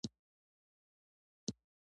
دا د يوې څپېړي خلق موږ ته سياست ښيي